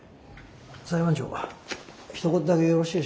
裁判長ひと言だけよろしいでしょうか？